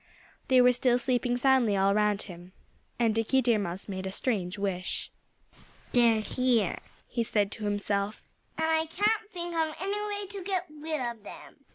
They were still sleeping soundly all around him. And Dickie Deer Mouse made a strange wish. "They're here," he said to himself. "And I don't know of any way to get rid of them.